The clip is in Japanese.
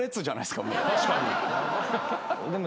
確かに。